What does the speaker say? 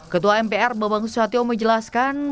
ketua mpr bambang susatyo menjelaskan